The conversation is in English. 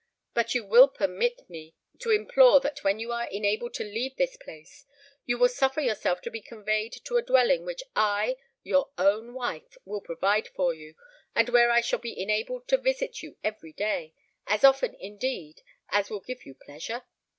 "But you will permit me to implore that when you are enabled to leave this place, you will suffer yourself to be conveyed to a dwelling which I—your own wife—will provide for you, and where I shall be enabled to visit you every day—as often, indeed, as will give you pleasure?